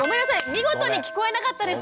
見事に聞こえなかったです。